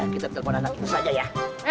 kita telpon anak itu saja ya